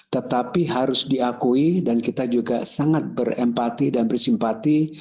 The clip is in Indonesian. tetapi harus diakui dan kita juga sangat berempati dan bersimpati